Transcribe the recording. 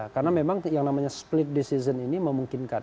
karena memang yang namanya split decision ini memungkinkan